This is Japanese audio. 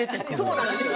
そうなんですよ。